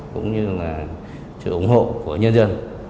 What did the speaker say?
cũng như là sự ủng hộ của nhân dân